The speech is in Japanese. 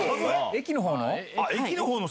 駅のほうのなの？